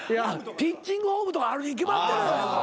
ピッチングフォームとかあるに決まってるやないか。